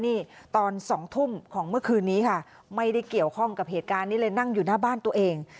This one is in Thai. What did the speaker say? นี่ตอน๒ทุ่มของเมื่อคืนนี้ค่ะไม่ได้เกี่ยวข้องกับเหตุการณ์นี้เลยนั่งอยู่หน้าบ้านตัวเอง